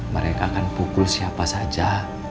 mereka akan pukul siapa saja